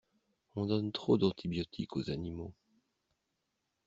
On donne trop d'antibiotiques aux animaux.